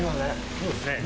そうですね。